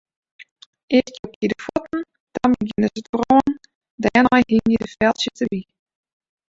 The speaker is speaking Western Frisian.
Earst jokje de fuotten, dan begjinne se te brânen, dêrnei hingje de feltsjes derby.